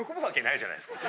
じゃないですか。